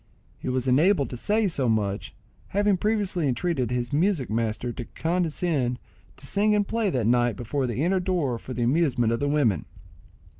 He was enabled to say so much, having previously entreated his music master to condescend to sing and play that night before the inner door for the amusement of the women.